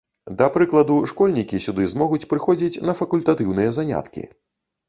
Да прыкладу, школьнікі сюды змогуць прыходзіць на факультатыўныя заняткі.